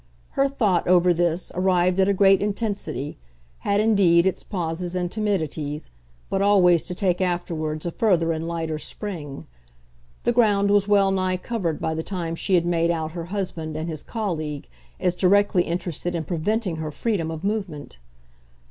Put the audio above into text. Her thought, over this, arrived at a great intensity had indeed its pauses and timidities, but always to take afterwards a further and lighter spring. The ground was well nigh covered by the time she had made out her husband and his colleague as directly interested in preventing her freedom of movement.